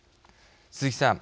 鈴木さん。